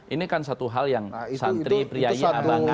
ini kan satu hal yang santri prianya abangan